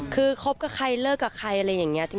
คือคบกับใครเลิกกับใครอะไรอย่างนี้